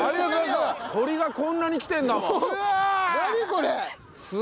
鳥がこんなに来てるんだもん。